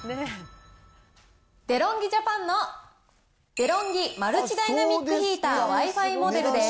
デロンギ・ジャパンのデロンギマルチダイナミックヒーターＷｉ−Ｆｉモデルです。